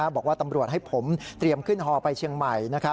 บอกว่าตำรวจให้ผมเตรียมขึ้นฮอไปเชียงใหม่